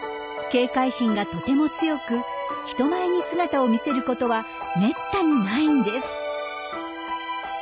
警戒心がとても強く人前に姿を見せることはめったにないんです。